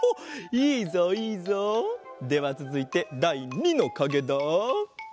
いいぞいいぞ。ではつづいてだい２のかげだ！